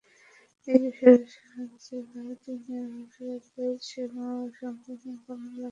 এই কিশোরের সাহায্যেই তারা দুনিয়ায় ও আখিরাতে সীমা-সংখ্যাহীন কল্যাণ লাভ করবে।